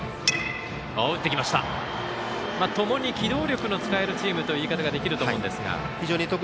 ともに機動力の使えるチームという言い方ができると思うんですが。